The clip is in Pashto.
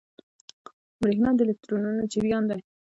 برېښنا د الکترونونو جریان دی.